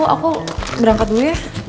aku berangkat dulu ya